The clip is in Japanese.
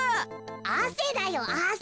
あせだよあせ。